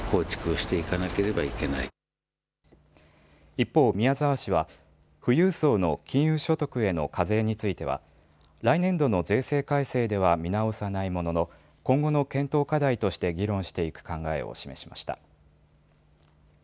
一方、宮沢氏は富裕層の金融所得への課税については来年度の税制改正では見直さないものの今後の検討課題として議論していく考えを示しました。